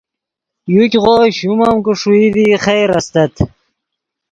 یوګغو شوم ام کہ ݰوئی ڤی خیر استت